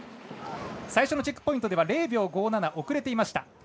最初のチェックポイントでは０秒５７遅れていました。